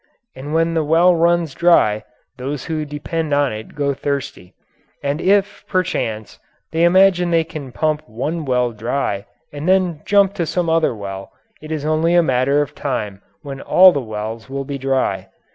And when the well runs dry, those who depend on it go thirsty. And if, perchance, they imagine they can pump one well dry and then jump to some other well, it is only a matter of time when all the wells will be dry.